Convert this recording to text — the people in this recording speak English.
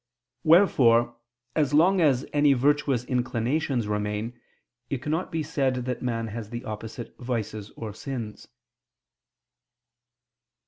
Wherefore, as long as any virtuous inclinations remain, it cannot be said that man has the opposite vices or sins.